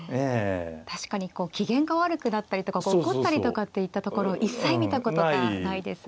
確かに機嫌が悪くなったりとか怒ったりとかっていったところを一切見たことがないです。